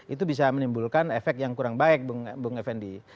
itu bisa menimbulkan efek yang kurang baik bung effendi